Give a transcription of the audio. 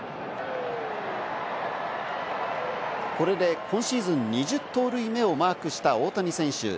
これで今シーズン２０盗塁目をマークした大谷選手。